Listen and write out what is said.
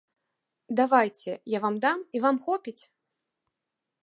Давайце, я вам дам, і вам хопіць?